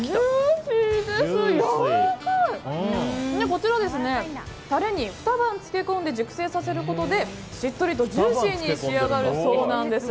こちらはタレにふた晩漬け込んで熟成させることでしっとりとジューシーに仕上がるそうなんです。